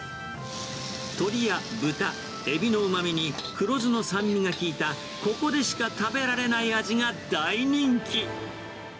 鶏や豚、エビのうまみに黒酢の酸味が効いたここでしか食べられない味が大人気。